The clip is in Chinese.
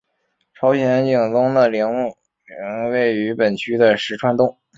朝鲜景宗的陵墓懿陵位于本区的石串洞。